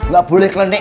gak boleh kelas